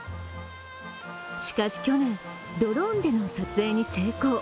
しかし去年、ドローンでの撮影に成功。